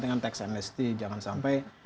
dengan text mst jangan sampai